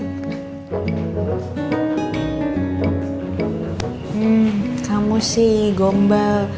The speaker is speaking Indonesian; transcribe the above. hmm kamu sih gombal